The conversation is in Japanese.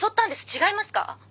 違いますか？